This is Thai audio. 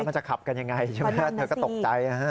แล้วมันจะขับกันอย่างไรใช่ไหมแทบตกใจ